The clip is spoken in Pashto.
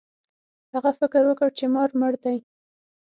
هغه فکر وکړ چې مار مړ دی.